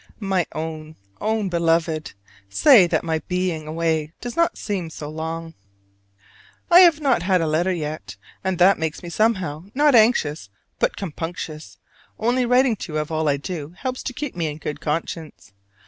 My Own, Own Beloved: Say that my being away does not seem too long? I have not had a letter yet, and that makes me somehow not anxious but compunctious; only writing to you of all I do helps to keep me in good conscience.